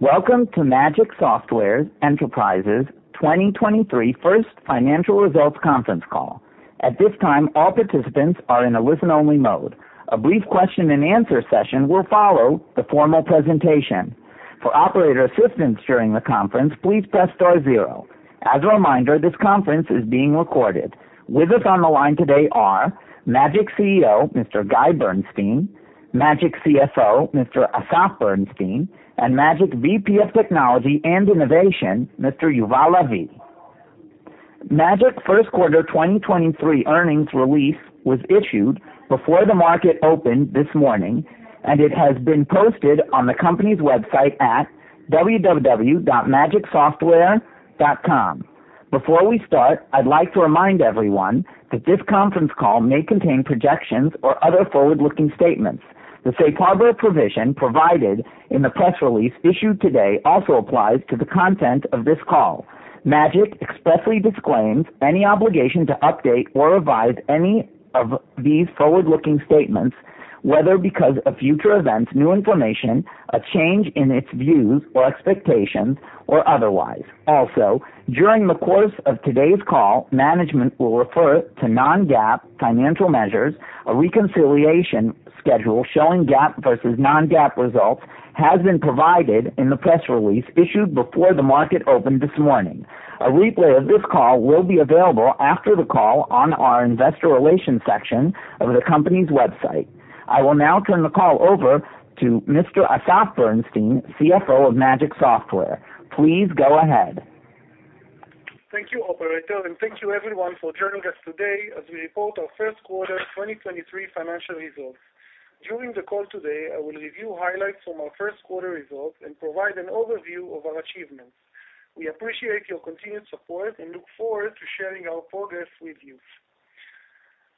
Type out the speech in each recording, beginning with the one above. Welcome to Magic Software Enterprises 2023 first financial results conference call. At this time, all participants are in a listen-only mode. A brief question-and-answer session will follow the formal presentation. For operator assistance during the conference, please press star zero. As a reminder, this conference is being recorded. With us on the line today are Magic CEO, Mr. Guy Bernstein, Magic CFO, Mr. Asaf Berenstin, and Magic VP of Technology and Innovation, Mr. Yuval Lavi. Magic first quarter 2023 earnings release was issued before the market opened this morning. It has been posted on the company's website at www.magicsoftware.com. Before we start, I'd like to remind everyone that this conference call may contain projections or other forward-looking statements. The safe harbor provision provided in the press release issued today also applies to the content of this call. Magic expressly disclaims any obligation to update or revise any of these forward-looking statements, whether because of future events, new information, a change in its views or expectations or otherwise. During the course of today's call, management will refer to non-GAAP financial measures. A reconciliation schedule showing GAAP versus non-GAAP results has been provided in the press release issued before the market opened this morning. A replay of this call will be available after the call on our investor relations section of the company's website. I will now turn the call over to Mr. Asaf Berenstin, CFO of Magic Software. Please go ahead. Thank you, operator, and thank you everyone for joining us today as we report our first quarter 2023 financial results. During the call today, I will review highlights from our first quarter results and provide an overview of our achievements. We appreciate your continued support and look forward to sharing our progress with you.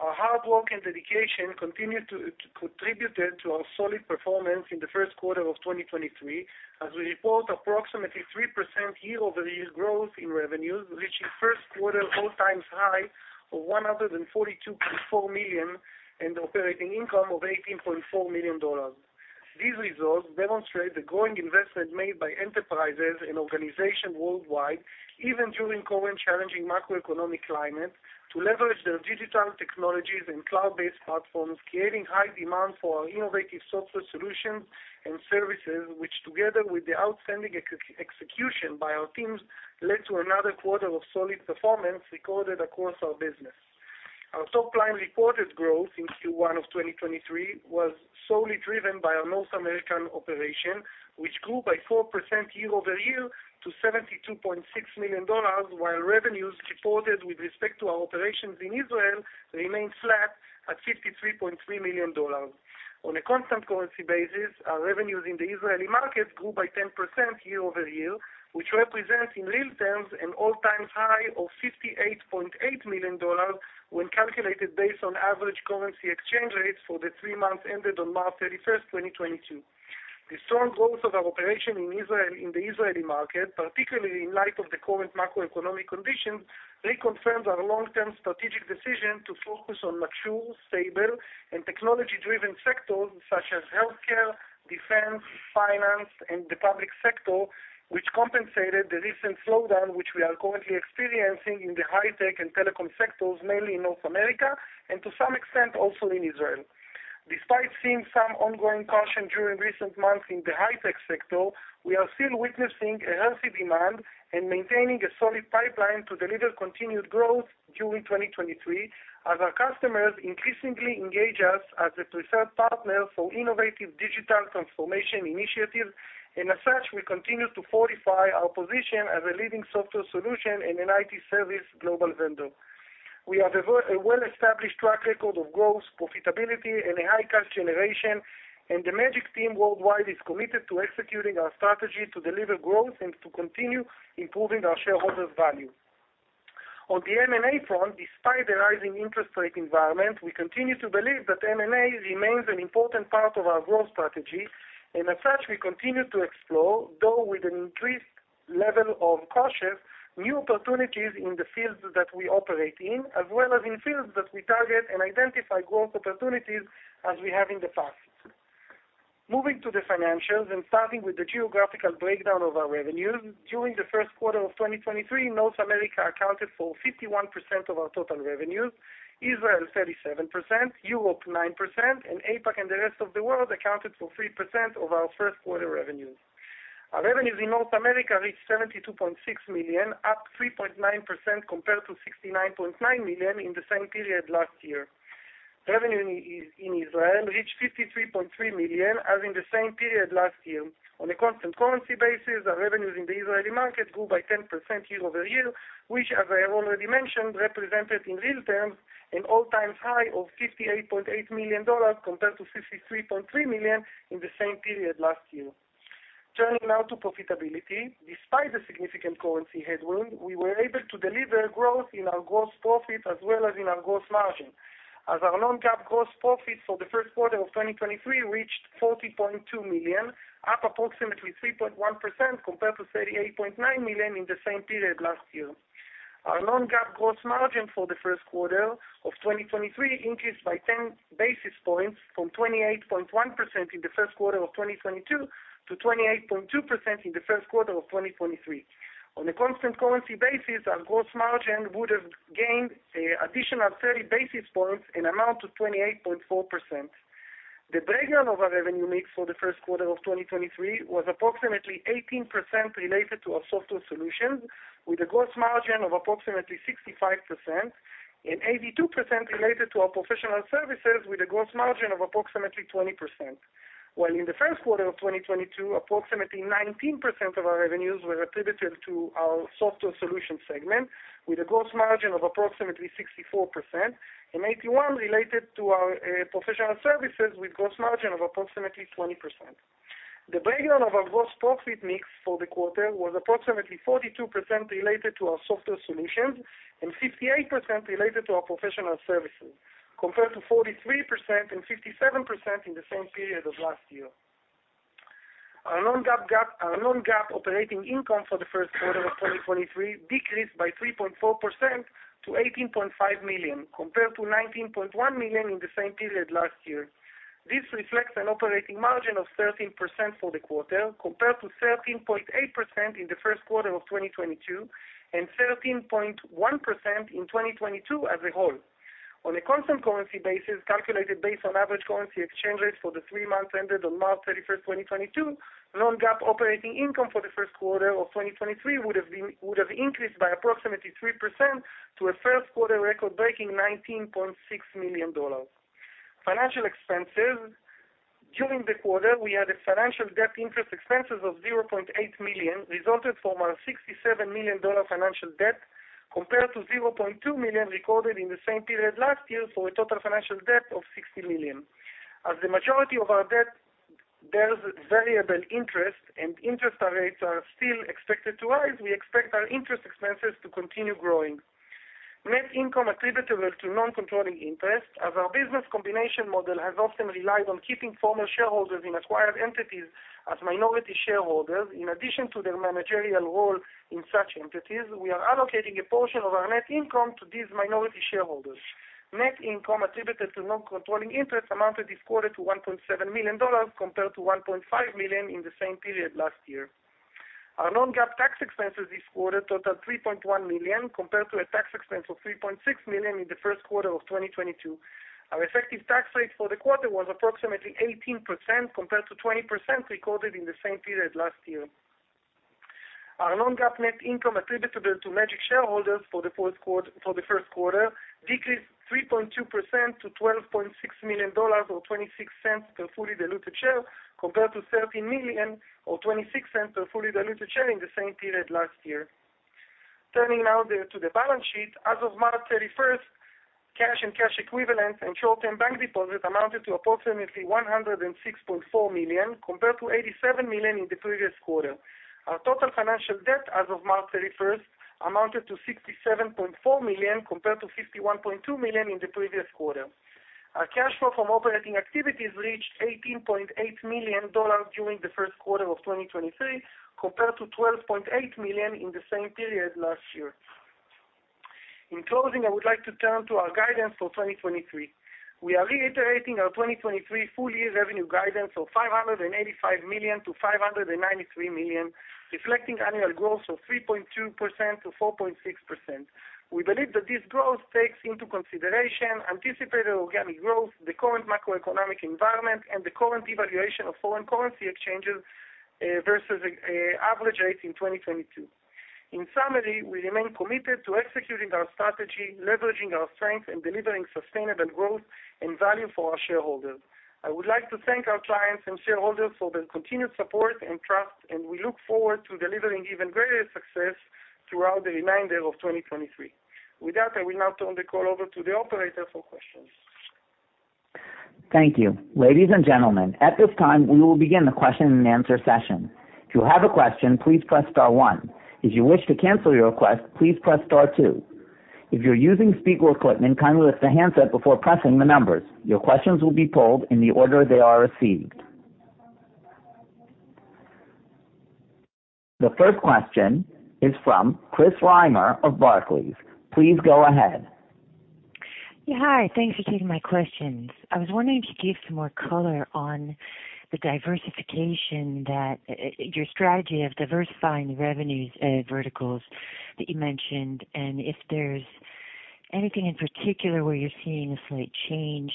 Our hard work and dedication contributed to our solid performance in the first quarter of 2023 as we report approximately 3% year-over-year growth in revenues, reaching first quarter all-time high of $142.4 million and operating income of $18.4 million. These results demonstrate the growing investment made by enterprises and organizations worldwide, even during current challenging macroeconomic climate, to leverage their digital technologies and cloud-based platforms, creating high demand for our innovative software solutions and services, which together with the outstanding execution by our teams, led to another quarter of solid performance recorded across our business. Our top line reported growth in Q1 of 2023 was solely driven by our North American operation, which grew by 4% year-over-year to $72.6 million, while revenues reported with respect to our operations in Israel remained flat at $53.3 million. On a constant currency basis, our revenues in the Israeli market grew by 10% year-over-year, which represents in real terms an all-time high of $58.8 million when calculated based on average currency exchange rates for the three months ended on March 31, 2022. The strong growth of our operation in the Israeli market, particularly in light of the current macroeconomic conditions, reconfirms our long-term strategic decision to focus on mature, stable, and technology-driven sectors such as healthcare, defense, finance, and the public sector, which compensated the recent slowdown, which we are currently experiencing in the high-tech and telecom sectors, mainly in North America and to some extent also in Israel. Despite seeing some ongoing caution during recent months in the high-tech sector, we are still witnessing a healthy demand and maintaining a solid pipeline to deliver continued growth during 2023 as our customers increasingly engage us as a preferred partner for innovative digital transformation initiatives. As such, we continue to fortify our position as a leading software solution and an IT service global vendor. We have a well-established track record of growth, profitability, and a high cash generation, and the Magic team worldwide is committed to executing our strategy to deliver growth and to continue improving our shareholders' value. On the M&A front, despite the rising interest rate environment, we continue to believe that M&A remains an important part of our growth strategy. As such, we continue to explore, though with an increased level of caution, new opportunities in the fields that we operate in, as well as in fields that we target and identify growth opportunities as we have in the past. Moving to the financials and starting with the geographical breakdown of our revenues. During the first quarter of 2023, North America accounted for 51% of our total revenues, Israel 37%, Europe 9%, and APAC and the rest of the world accounted for 3% of our first quarter revenues. Our revenues in North America reached $72.6 million, up 3.9% compared to $69.9 million in the same period last year. Revenue in Israel reached $53.3 million as in the same period last year. On a constant currency basis, our revenues in the Israeli market grew by 10% year-over-year, which as I have already mentioned, represented in real terms an all-time high of $58.8 million compared to $63.3 million in the same period last year. Turning now to profitability. Despite the significant currency headwind, we were able to deliver growth in our gross profit as well as in our gross margin. Our non-GAAP gross profit for the first quarter of 2023 reached $40.2 million, up approximately 3.1% compared to $38.9 million in the same period last year. Our non-GAAP gross margin for the first quarter of 2023 increased by 10 basis points from 28.1% in the first quarter of 2022 to 28.2% in the first quarter of 2023. On a constant currency basis, our gross margin would have gained an additional 30 basis points in amount to 28.4%. The breakdown of our revenue mix for the first quarter of 2023 was approximately 18% related to our software solutions, with a gross margin of approximately 65% and 82% related to our professional services with a gross margin of approximately 20%. While in the first quarter of 2022, approximately 19% of our revenues were attributed to our software solution segment with a gross margin of approximately 64% and 81% related to our professional services with gross margin of approximately 20%. The breakdown of our gross profit mix for the quarter was approximately 42% related to our software solutions and 58% related to our professional services, compared to 43% and 57% in the same period of last year. Our non-GAAP operating income for the first quarter of 2023 decreased by 3.4% to $18.5 million, compared to $19.1 million in the same period last year. This reflects an operating margin of 13% for the quarter, compared to 13.8% in the first quarter of 2022 and 13.1% in 2022 as a whole. On a constant currency basis, calculated based on average currency exchange rates for the three months ended on March 31st, 2022, non-GAAP operating income for the first quarter of 2023 would have increased by approximately 3% to a first quarter record-breaking $19.6 million. Financial expenses. During the quarter, we had a financial debt interest expenses of $0.8 million, resulted from our $67 million financial debt, compared to $0.2 million recorded in the same period last year for a total financial debt of $60 million. As the majority of our debt bears variable interest and interest rates are still expected to rise, we expect our interest expenses to continue growing. Net income attributable to non-controlling interest. As our business combination model has often relied on keeping former shareholders in acquired entities as minority shareholders, in addition to their managerial role in such entities, we are allocating a portion of our net income to these minority shareholders. Net income attributed to non-controlling interest amounted this quarter to $1.7 million, compared to $1.5 million in the same period last year. Our non-GAAP tax expenses this quarter totaled $3.1 million, compared to a tax expense of $3.6 million in the first quarter of 2022. Our effective tax rate for the quarter was approximately 18%, compared to 20% recorded in the same period last year. Our non-GAAP net income attributable to Magic shareholders for the first quarter decreased 3.2% to $12.6 million or $0.26 per fully diluted share, compared to $13 million or $0.26 per fully diluted share in the same period last year. Turning now to the balance sheet. As of March 31st, cash and cash equivalents and short-term bank deposits amounted to approximately $106.4 million, compared to $87 million in the previous quarter. Our total financial debt as of March 31st amounted to $67.4 million, compared to $51.2 million in the previous quarter. Our cash flow from operating activities reached $18.8 million during the first quarter of 2023, compared to $12.8 million in the same period last year. In closing, I would like to turn to our guidance for 2023. We are reiterating our 2023 full-year revenue guidance of $585 million-$593 million, reflecting annual growth of 3.2%-4.6%. We believe that this growth takes into consideration anticipated organic growth, the current macroeconomic environment, and the current devaluation of foreign currency exchanges versus average rates in 2022. In summary, we remain committed to executing our strategy, leveraging our strength, and delivering sustainable growth and value for our shareholders. I would like to thank our clients and shareholders for their continued support and trust, and we look forward to delivering even greater success throughout the remainder of 2023. With that, I will now turn the call over to the operator for questions. Thank you. Ladies and gentlemen, at this time, we will begin the question and answer session. If you have a question, please press star one. If you wish to cancel your request, please press star two. If you're using speaker equipment, kindly lift the handset before pressing the numbers. Your questions will be pulled in the order they are received. The first question is from Chris Reimer of Barclays. Please go ahead. Yeah. Hi. Thanks for taking my questions. I was wondering if you could give some more color on the diversification that your strategy of diversifying the revenues verticals that you mentioned, and if there's anything in particular where you're seeing a slight change,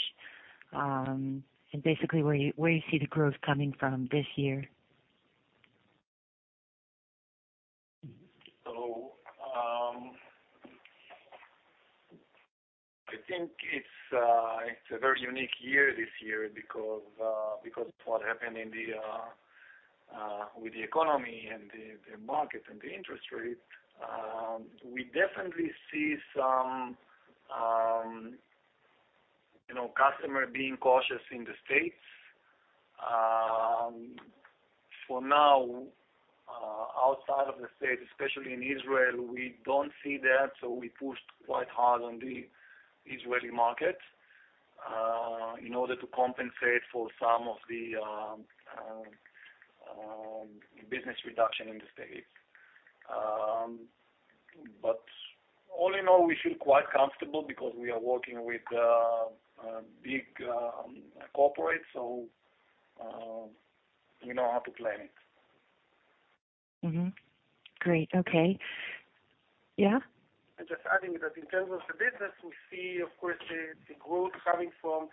and basically where you, where you see the growth coming from this year. I think it's a very unique year this year because of what happened with the economy and the market and the interest rates. We definitely see some, you know, customer being cautious in the States. For now, outside of the States, especially in Israel, we don't see that, so we pushed quite hard on the Israeli market. In order to compensate for some of the business reduction in the States. All in all, we feel quite comfortable because we are working with, big, corporates, so, we know how to plan it. Great. Okay. Yeah? Just adding that in terms of the business, we see of course the growth coming from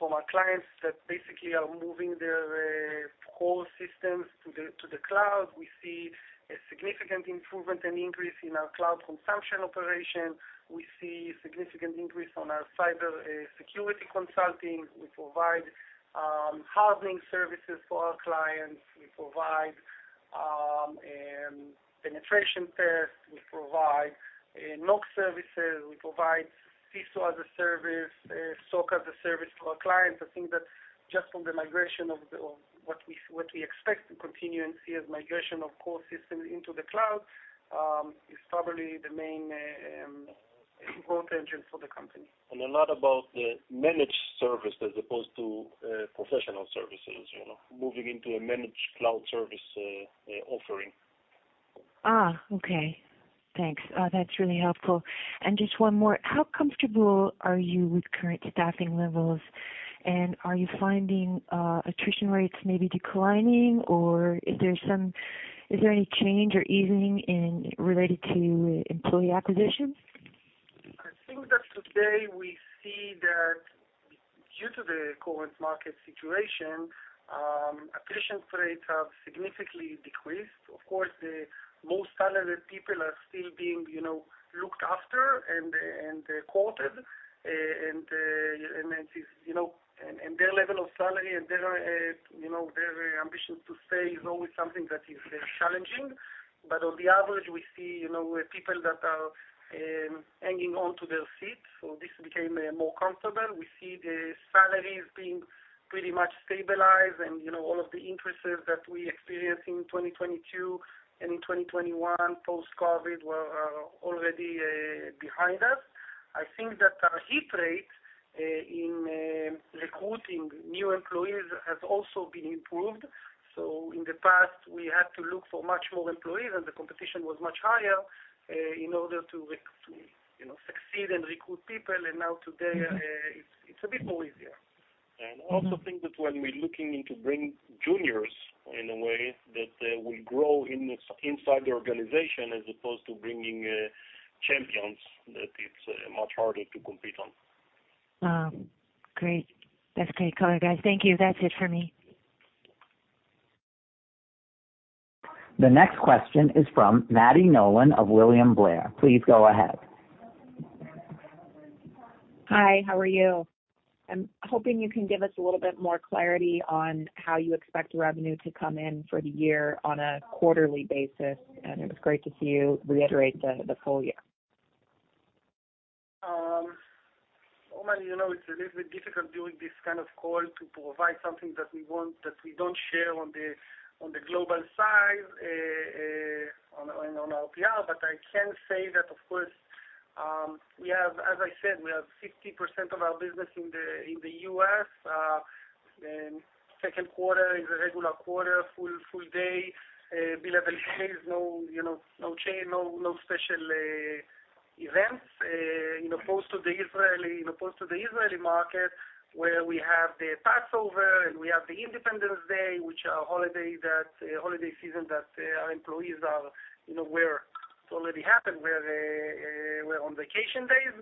our clients that basically are moving their core systems to the cloud. We see a significant improvement and increase in our cloud consumption operation. We see significant increase on our cyber security consulting. We provide housing services for our clients. We provide penetration tests. We provide NOC services. We provide CISO as a service, SOC as a service to our clients. I think that just from the migration of what we expect to continue and see as migration of core systems into the cloud, is probably the main growth engine for the company. A lot about the managed service as opposed to professional services, you know, moving into a managed cloud service offering. Okay. Thanks. That's really helpful. Just one more. How comfortable are you with current staffing levels, and are you finding attrition rates maybe declining or is there any change or easing in related to employee acquisition? I think that today we see that due to the current market situation, attrition rates have significantly decreased. Of course, the most salaried people are still being, you know, looked after and courted, and it is, you know, and their level of salary and their, you know, their ambition to stay is always something that is challenging. On the average, we see, you know, people that are hanging on to their seats, so this became more comfortable. We see the salaries being pretty much stabilized and, you know, all of the increases that we experienced in 2022 and in 2021, post-COVID were already behind us. I think that our hit rate in recruiting new employees has also been improved. In the past, we had to look for much more employees, and the competition was much higher, in order to, you know, succeed and recruit people. Now today, it's a bit more easier. I also think that when we're looking into bring juniors in a way that will grow inside the organization as opposed to bringing champions, that it's much harder to compete on. Great. That's great color, guys. Thank you. That's it for me. The next question is from Maggie Nolan of William Blair. Please go ahead. Hi, how are you? I'm hoping you can give us a little bit more clarity on how you expect revenue to come in for the year on a quarterly basis? It was great to see you reiterate the full year. Maggie, you know, it's a little bit difficult doing this kind of call to provide something that we want, that we don't share on the, on the global side, on our PR. I can say that of course, as I said, we have 60% of our business in the U.S. Second quarter is a regular quarter, full day, billable days. No, you know, no chain, no special events, in opposed to the Israeli market, where we have the Passover and we have the Independence Day, which are holiday that, holiday season that, employees are, you know, where it's already happened, where we're on vacation days.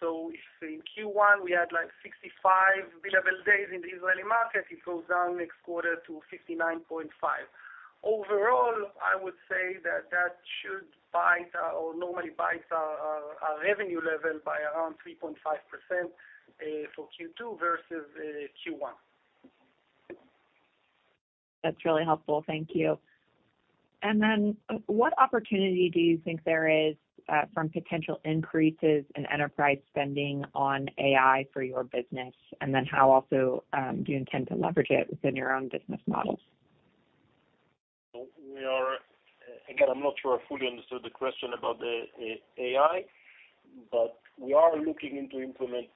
If in Q1, we had, like, 65 billable days in the Israeli market, it goes down next quarter to 59.5. Overall, I would say that that should bite our or normally bites our revenue level by around 3.5% for Q2 versus Q1. That's really helpful. Thank you. What opportunity do you think there is from potential increases in enterprise spending on AI for your business? How also do you intend to leverage it within your own business models? We are again, I'm not sure I fully understood the question about the AI, but we are looking into implement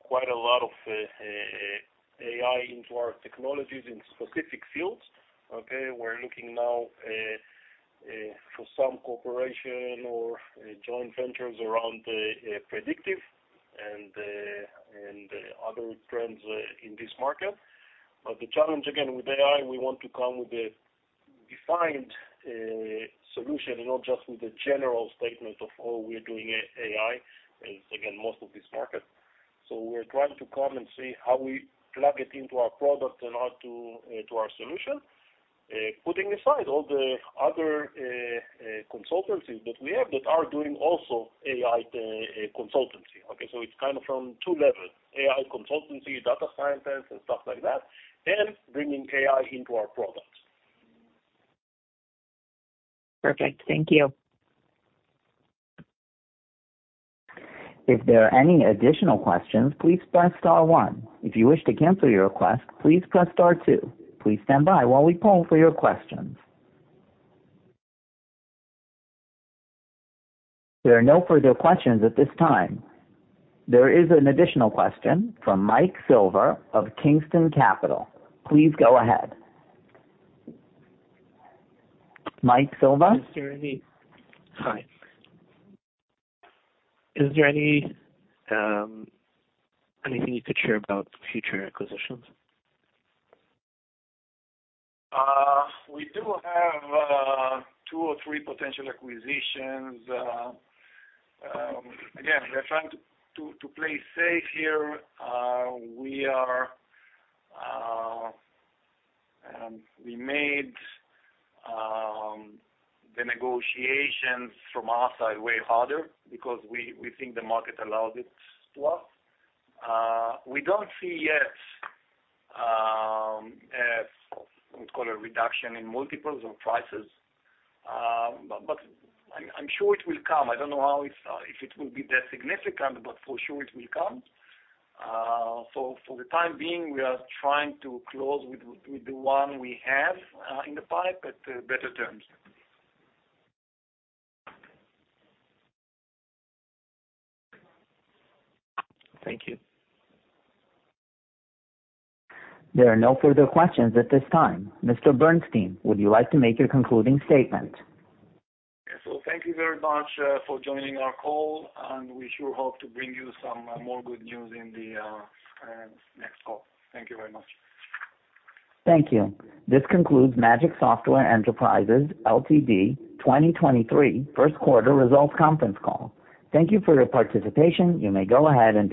quite a lot of AI into our technologies in specific fields, okay? We're looking now for some cooperation or joint ventures around predictive and and other trends in this market. The challenge again with AI, we want to come with a defined solution and not just with a general statement of, "Oh, we're doing AI," as again, most of this market. We're trying to come and see how we plug it into our product and how to our solution. Putting aside all the other consultancies that we have that are doing also AI consultancy, okay? It's kind of from two levels, AI consultancy, data scientists, and stuff like that, then bringing AI into our products. Perfect. Thank you. If there are any additional questions, please press star one. If you wish to cancel your request, please press star two. Please stand by while we poll for your questions. There are no further questions at this time. There is an additional question from Mike Silver of Kensington Capital. Please go ahead. Mike Silver? Hi Hi. Is there any anything you could share about future acquisitions? We do have two or three potential acquisitions. Again, we're trying to play safe here. We made the negotiations from our side way harder because we think the market allows it to us. We don't see yet a what you call a reduction in multiples or prices. I'm sure it will come. I don't know how if it will be that significant, but for sure it will come. For the time being, we are trying to close with the one we have in the pipe at better terms. Thank you. There are no further questions at this time. Mr. Bernstein, would you like to make your concluding statement? Yeah. Thank you very much, for joining our call, and we sure hope to bring you some, more good news in the, next call. Thank you very much. Thank you. This concludes Magic Software Enterprises Ltd. 2023 1st quarter results conference call. Thank you for your participation. You may go ahead and disconnect your lines.